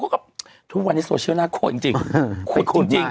เค้าก็ทุกวันนี้โซเชียลน่าโกรธจริง